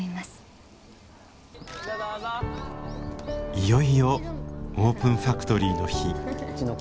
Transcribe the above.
いよいよオープンファクトリーの日。